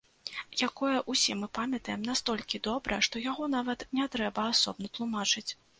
Якое ўсе мы памятаем настолькі добра, што яго нават не трэба асобна тлумачыць.